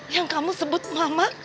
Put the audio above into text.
yang kamu sebut mama